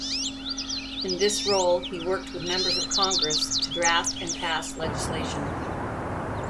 In this role, he worked with members of Congress to draft and pass legislation.